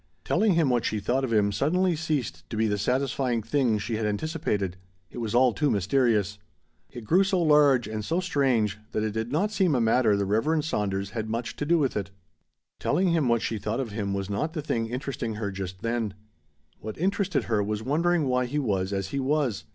Telling him what she thought of him suddenly ceased to be the satisfying thing she had anticipated. It was all too mysterious. It grew so large and so strange that it did not seem a matter the Reverend Saunders had much to do with it. Telling him what she thought of him was not the thing interesting her then. What interested her was wondering why he was as he was.